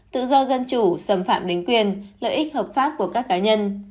tự do dân chủ xâm phạm đến quyền lợi ích hợp pháp của các cá nhân